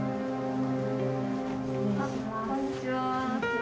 こんにちは。